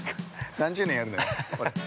何十年やるのよ、これ。